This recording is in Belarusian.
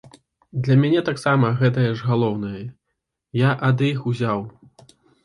Для мяне таксама гэтае ж галоўнае, я ад іх узяў.